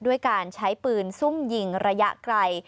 ด้วยการใช้ปืนซุ่มยิงระยะไกล